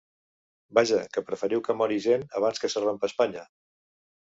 Vaja que preferiu que mori gent abans que ‘se rompa Espanya’ .